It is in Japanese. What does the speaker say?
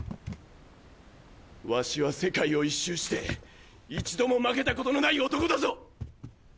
ワシは世界を一周して一度も負けたことのない男だぞ！！